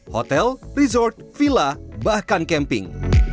hotel resort villa bahkan camping